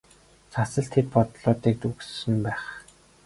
Цас л тэр бодлуудыг өгсөн байх.